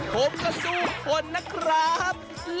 ผมก็สู้ทนนะครับ